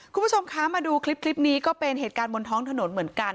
คุณผู้ชมคะมาดูคลิปนี้ก็เป็นเหตุการณ์บนท้องถนนเหมือนกัน